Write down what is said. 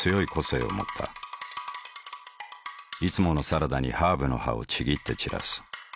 いつものサラダにハーブの葉をちぎって散らす。